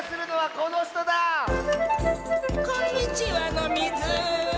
こんにちはのミズ。